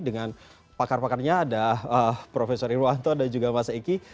dengan pakar pakarnya ada prof irwanto dan juga mas eki